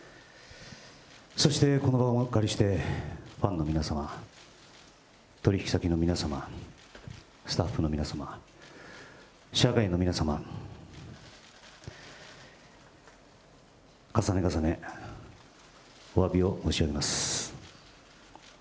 そしてこの場をお借りして、ファンの皆様、取り引き先の皆様、スタッフの皆様、社会の皆様、重ね重ね、おわびを申し上げます。